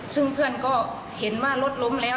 ซึ่งเพื่อนก็เห็นว่ารถล้มแล้ว